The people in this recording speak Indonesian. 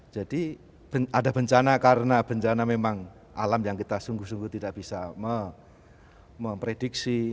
jadi ada bencana karena bencana memang alam yang kita sungguh sungguh tidak bisa memprediksi